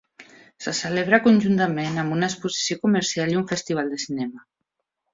Se celebra conjuntament amb una exposició comercial i un Festival de cinema.